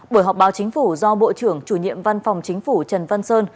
buổi họp báo chính phủ do bộ trưởng chủ nhiệm văn phòng chính phủ trần văn sơn